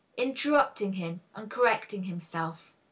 (_Interrupting him and correcting himself.